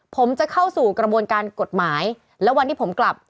ผมจะเข้าสู่กระบวนการกฎหมายแล้ววันที่ผมกลับ